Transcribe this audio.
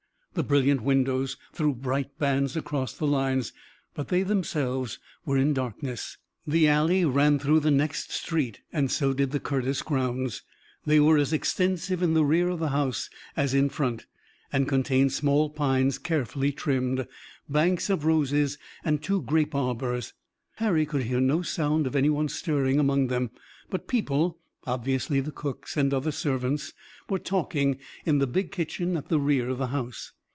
The brilliant windows threw bright bands across the lines, but they themselves were in darkness. The alley ran through the next street and so did the Curtis grounds. They were as extensive in the rear of the house as in front, and contained small pines carefully trimmed, banks of roses and two grape arbors. Harry could hear no sound of any one stirring among them, but people, obviously the cooks and other servants, were talking in the big kitchen at the rear of the house.